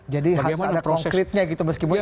jadi harus ada konkretnya gitu meskipun